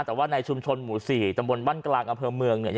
แต่ว่าในชุมชนหมู่๔ตำบลบ้านกลางอำเภอเมืองเนี่ย